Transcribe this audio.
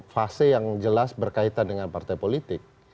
fase yang jelas berkaitan dengan partai politik